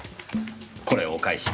これをお返しに。